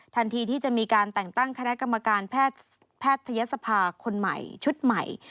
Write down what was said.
ทันทีที่จะมีการแต่งตั้งคณะกรรมการแพทยศภาคนใหม่ชุดใหม่